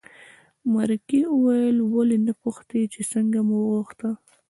مرکې وویل ولې نه پوښتې چې څنګه مو وغوښته.